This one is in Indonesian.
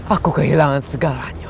aku kehilangan segalanya